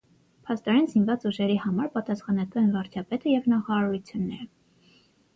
Փաստորեն զինված ուժերի համար պատասպանատու են վարչապետը և նախարարությունները։